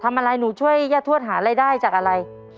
หนูช่วยย่าทวดหารายได้จากอะไร